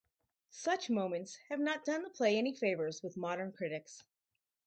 Such moments have not done the play any favours with modern critics.